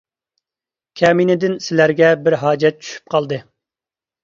كەمىنىدىن سىلەرگە بىر ھاجەت چۈشۈپ قالدى.